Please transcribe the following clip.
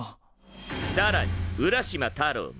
さらに「浦島太郎」も。